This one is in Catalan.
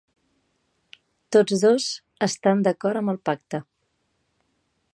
Tots dos estan d'acord amb el pacte.